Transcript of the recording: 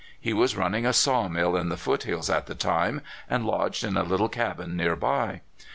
He was running a sawmill in the foothills at the time, and lodged in a little cabin near by.